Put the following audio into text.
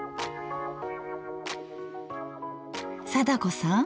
貞子さん